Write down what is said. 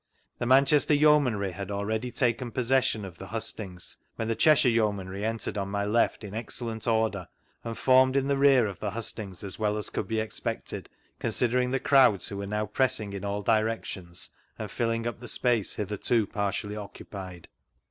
The Manchester Yeomanry had already taken possess ion of the hustings, when the Cheshire Yeomanry entered on my left in excellent order, and formed in the lear <A the htistings as well as could be expected, considering the crowds who were now pressing in all directions and filling up the space hitherto partially occupied.